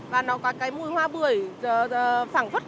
và nó có cái mùi hoa bưởi phẳng phất cái hương vị đúng như là của người ta